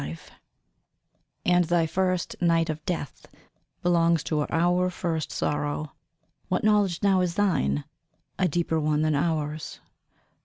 XXV And thy first night of death Belongs to our first sorrow.... What knowledge now is thine? A deeper one than ours.